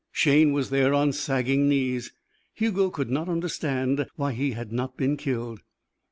Shayne was there on sagging knees. Hugo could not understand why he had not been killed.